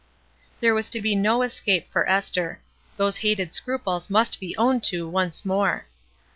There was to be no escape for Esther; those hated scruples must be owned to once more.